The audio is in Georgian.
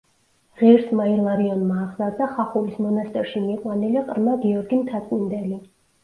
ღირსმა ილარიონმა აღზარდა ხახულის მონასტერში მიყვანილი ყრმა გიორგი მთაწმინდელი.